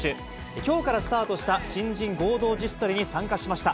きょうからスタートした新人合同自主トレに参加しました。